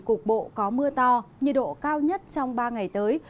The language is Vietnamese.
các khu vực khác chỉ cục bộ có mưa to nhiệt độ cao nhất trong ba ngày tới